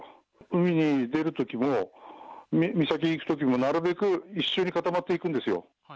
海に出るときも、岬行くときも、なるべく一緒に固まっていくんですよ。